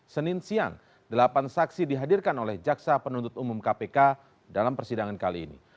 senin siang delapan saksi dihadirkan oleh jaksa penuntut umum kpk dalam persidangan kali ini